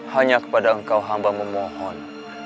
hanya kepada engkau hamba memohon